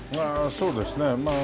そうですね。